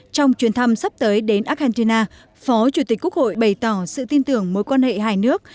trong chuyến thăm sắp tới đến argentina phó chủ tịch quốc hội bày tỏ sự tin tưởng mối quan hệ hai nước